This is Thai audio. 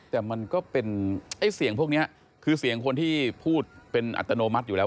แต่มันก็เป็นไอ้เสียงพวกนี้คือเสียงคนที่พูดเป็นอัตโนมัติอยู่แล้ว